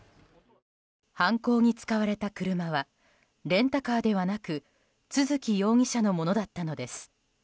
犯行に使われた車はレンタカーではなく都築容疑者のものだったのです。